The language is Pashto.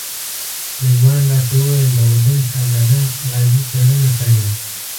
رضوان راته وویل د اردن شهزاده غازي څېړنه کړې.